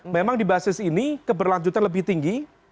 memang di basis ini keberlanjutan lebih tinggi